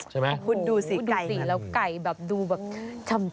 ใช่ไหมคุณดูสิใก่นะแล้วดูแบบชำ